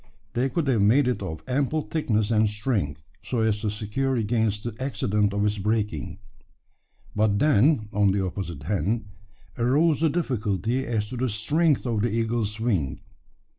They could have made it of ample thickness and strength, so as to secure against the accident of its breaking. But then, on the opposite hand, arose the difficulty as to the strength of the eagle's wing.